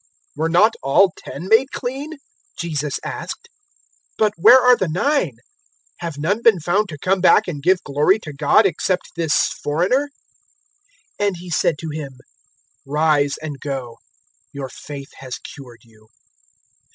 017:017 "Were not all ten made clean?" Jesus asked; "but where are the nine? 017:018 Have none been found to come back and give glory to God except this foreigner?" 017:019 And He said to him, "Rise and go: your faith has cured you."